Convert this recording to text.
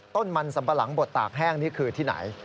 ต้นมันสัมปะหลังบดตากแห้งนี่คือที่ไหน